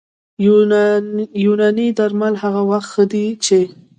یوناني درمل هغه وخت ښه دي چې